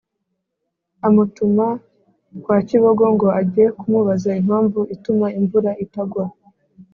amutuma kwa kibogo ngo ajye kumubaza impamvu ituma imvura itagwa